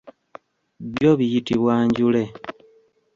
Byo biyitibwa njule.